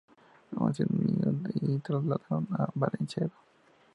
Aun siendo un niño se trasladaron a Valencia Edo.